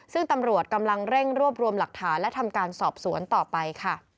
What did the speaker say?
ซึ่งตำรวจกำลังเร่งรวบรวมหลักฐานและทำการสอบสวนต่อไปค่ะ